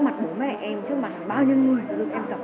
mấy anh em trước mặt là bao nhiêu người mà tự dưng em cặp đấy